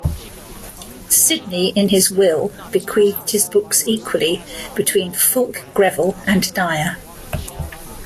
Sidney, in his will, bequeathed his books equally between Fulke Greville and Dyer.